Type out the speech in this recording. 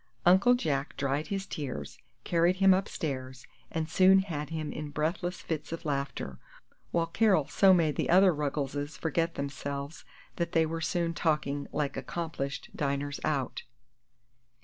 Uncle Jack dried his tears, carried him upstairs, and soon had him in breathless fits of laughter, while Carol so made the other Ruggleses forget themselves that they were soon talking like accomplished diners out.